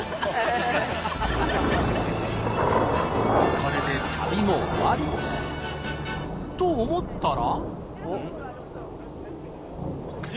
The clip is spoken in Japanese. これで旅も終わり。と思ったら。